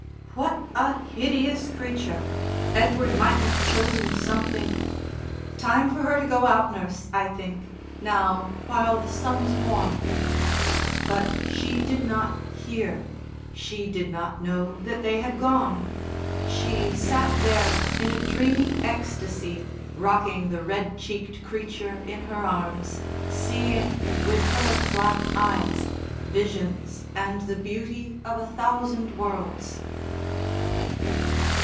"What a hideous creature! Edward might have chosen something Time for her to go out, nurse, I think now, while the sun's warm." But she did not hear. She did not know that they had gone. She sat there in a dreamy ecstasy rocking the red cheeked creature in her arms, seeing, with her black eyes, visions and the beauty of a thousand worlds.